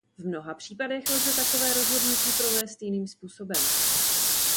V mnoha případech lze takové rozhodnutí provést jiným způsobem.